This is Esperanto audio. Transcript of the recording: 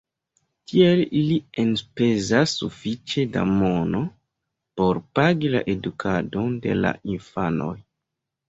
Tiel ili enspezas sufiĉe da mono por pagi la edukadon de la infanoj.